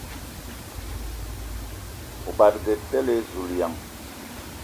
O badǝge tele ! Zulǝyaŋ!